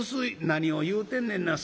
「何を言うてんねんな。